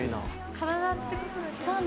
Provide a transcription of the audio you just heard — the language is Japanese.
体ってことですよね。